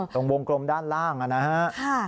ตรงวงกลมด้านล่างนะครับ